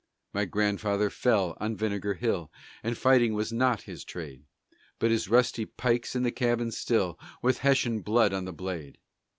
My grandfather fell on Vinegar Hill, And fighting was not his trade; But his rusty pike's in the cabin still, With Hessian blood on the blade."